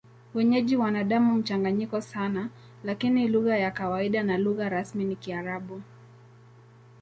Wenyeji wana damu mchanganyiko sana, lakini lugha ya kawaida na lugha rasmi ni Kiarabu.